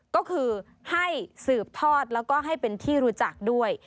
ก็คือให้สืบทอดแล้วก็ให้เป็นที่รู้จักด้วย